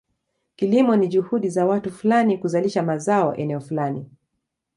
Kilimo ni juhudi za watu fulani kuzalisha mazao eneo fulani.